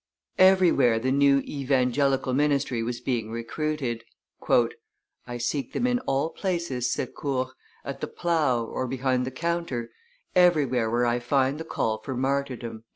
Everywhere the new Evangelical ministry was being recruited. "I seek them in all places," said Court, "at the plough, or behind the counter, everywhere where I find the call for martyrdom."